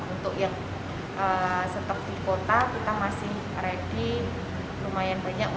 untuk yang setepat di kota kita masih ready